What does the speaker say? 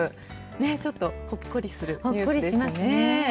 ちょっとほっこりするニュースですね。